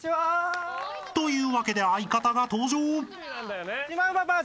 ［というわけで相方が登場］